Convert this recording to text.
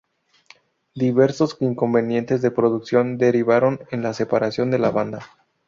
Diversos inconvenientes de producción derivaron en la separación de la banda.